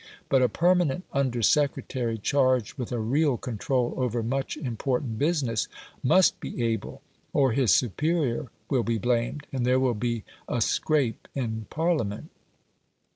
But a permanent under secretary, charged with a real control over much important business, must be able, or his superior will be blamed, and there will be "a scrape in Parliament".